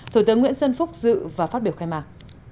thủ tướng nguyễn xuân phúc dự và phát biểu khai mạc